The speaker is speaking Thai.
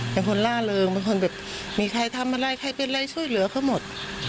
เป็นคนล่าเริงเป็นคนแบบมีใครทำอะไรใครเป็นอะไรช่วยเหลือเขาหมด